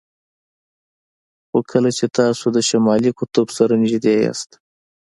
خو کله چې تاسو د شمالي قطب سره نږدې یاست